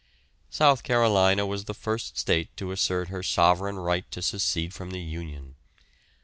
South Carolina was the first state to assert her sovereign right to secede from the union.